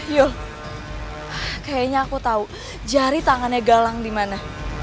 yol kayaknya aku tau jari tangannya galang dimana